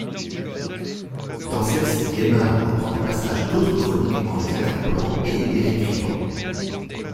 Dans celle-ci, Gaimar reprend des passages d'autres chroniques en les interpolant et les réécrivant.